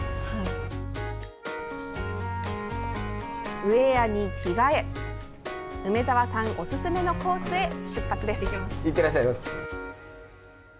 ウエアに着替え梅澤さんおすすめのコースへ出発です。